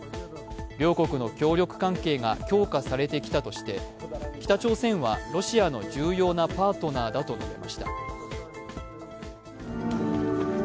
両国の協力関係が強化されてきたとして、北朝鮮はロシアの重要なパートナーだと述べました。